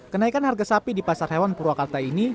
kenaikan harga sapi di pasar hewan purwakarta ini